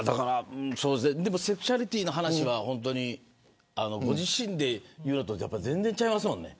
セクシャリティーの話は本当にご自身で言うのとは全然違いますよね。